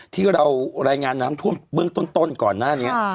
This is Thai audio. ที่เรารายงานน้ำท่วมเบื้องต้นก่อนหน้านี้